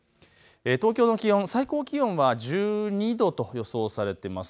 東京の気温、最高気温は１２度と予想されています。